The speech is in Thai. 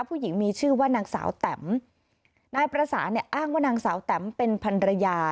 ผู้หญิงมีชื่อว่านางสาวแตมนายประสานเนี่ยอ้างว่านางสาวแตมเป็นพันรยา